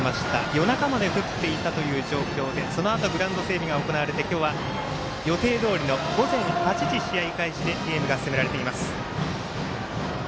夜中まで振っていたという状況でそのあとグラウンド整備が行われて今日は予定どおりの午前８時試合開始でゲームが進められています。